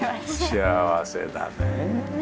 幸せだね。